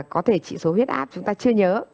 có thể chỉ số huyết áp chúng ta chưa nhớ